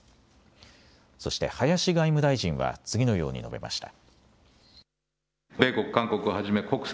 そして林外務大臣は次のように述べました。